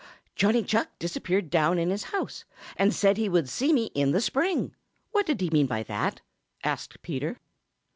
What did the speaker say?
"Johnny Chuck disappeared down in his house and said he would see me in the spring; what did he mean by that?" asked Peter.